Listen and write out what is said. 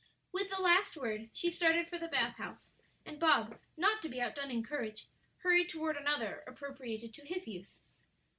With the last word she started for the bath house, and Bob, not to be outdone in courage, hurried toward another appropriated to his use.